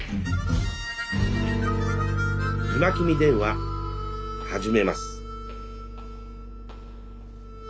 「今君電話」始めます。